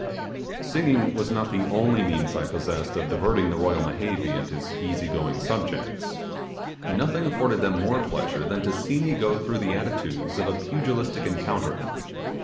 ........ Singing was not the only means I possessed of diverting the royal Mehevi and his easy going subject. Nothing afforded them more pleasure than to see me go through the attitude of pugilistic encounter.